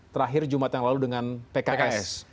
terakhir jumat yang lalu dengan pks